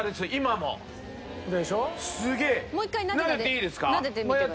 もう１回なでて。